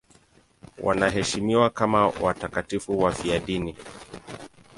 Wanaheshimiwa kama watakatifu wafiadini.